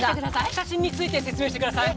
写真について説明してください！